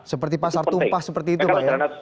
seperti pasar tumpah seperti itu pak ya